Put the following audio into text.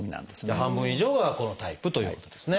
半分以上はこのタイプということですね。